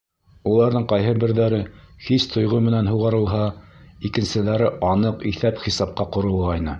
Уларҙың ҡайһы берҙәре хис-тойғо менән һуғарылһа, икенселәре аныҡ иҫәп-хисапҡа ҡоролғайны.